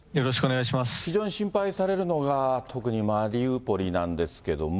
非常に心配されるのが、特にマリウポリなんですけれども。